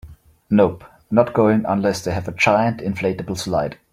Nope, not going unless they have a giant inflatable slide.